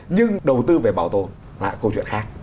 nhưng đầu tư về bảo tồn lại câu chuyện khác